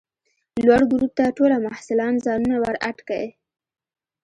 لوړ ګروپ ته ټوله محصلان ځانونه ور اډ کئ!